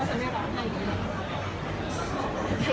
มีสัญญากับตัวเองนะคะว่าจะไม่รอใคร